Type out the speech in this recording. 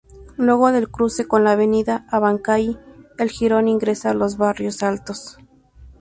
Luego del cruce con la Avenida Abancay el jirón ingresa a los Barrios Altos.